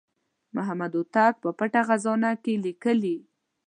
محمد هوتک په پټه خزانه کې لیکلي.